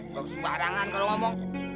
gak usah barangan kalau ngomong